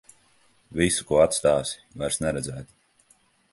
Visu, ko atstāsi, vairs neredzēt.